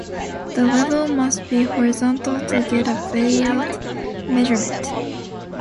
The level must be horizontal to get a valid measurement.